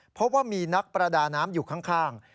เพราะว่ามีนักประดาน้ำอยู่ข้าง